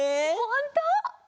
ほんと！